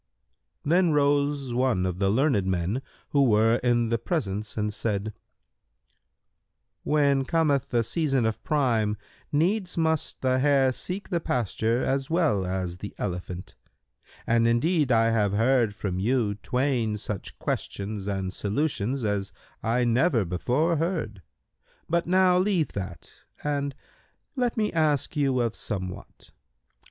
Then rose one of the learned men who were in the presence and said, "When cometh the season of Prime, needs must the hare seek the pasture as well as the elephant; and indeed I have heard from you twain such questions and solutions as I never before heard; but now leave that and let me ask you of somewhat.